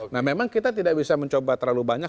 nah memang kita tidak bisa mencoba terlalu banyak